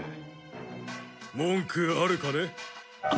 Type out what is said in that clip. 文句あるかね？